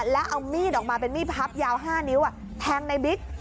แล้วเอามีดออกมาเป็นมีดพับยาว๕นิ้วแทงในบิ๊ก